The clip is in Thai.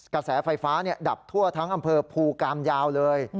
กระแสไฟฟ้าดับทั่วทั้งอำเภอภูกามยาวเลย